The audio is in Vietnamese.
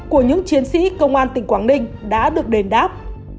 công an tỉnh quảng ninh đã được đền đáp